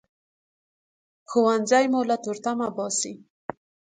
ښوونځی مو له تورتمه باسي